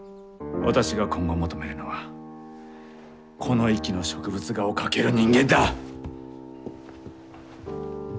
私が今後求めるのはこの域の植物画を描ける人間だ！